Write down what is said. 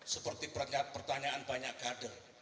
seperti pertanyaan banyak kader